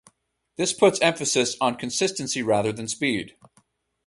This puts emphasis on consistency rather than speed.